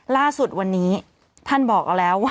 ล่าสุดวันนี้ท่านบอกเอาแล้วว่า